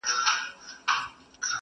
• او خپل مفهوم ترې اخلي تل..